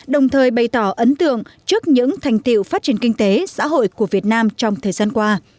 đồng thời bày tỏ ấn tượng trước những thành tiệu phát triển kinh tế xã hội của việt nam trong thời gian qua